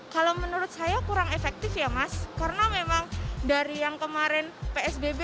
kalau menurut saya kurang efektif ya mas karena memang dari yang kemarin psbb